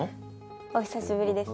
お久しぶりです。